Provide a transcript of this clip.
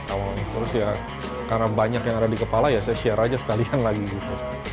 terus ya karena banyak yang ada di kepala ya saya share aja sekalian lagi gitu